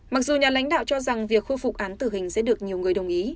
mặc dù nhà lãnh đạo cho rằng việc khôi phục án tử hình sẽ được nhiều người đồng ý